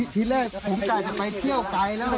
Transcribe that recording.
ที่แรกผมกลายจะไปเที่ยวไกลแล้ว